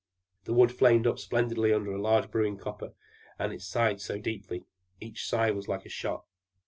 The wood flamed up splendidly under the large brewing copper, and it sighed so deeply! Each sigh was like a shot.